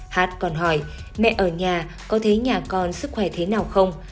hát còn hỏi mẹ ở nhà có thế nhà con sức khỏe thế nào không